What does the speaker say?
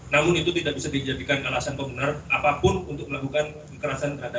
namun itu tidak bisa dijadikan alasan pembenar apapun untuk melakukan kekerasan terhadap